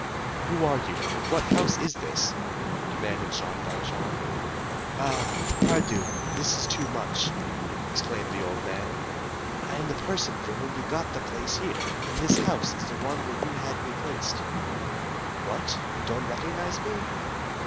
"Who are you? and what house is this?" demanded Jean Valjean. "Ah! pardieu, this is too much!" exclaimed the old man. "I am the person for whom you got the place here, and this house is the one where you had me placed. What! You don't recognize me?"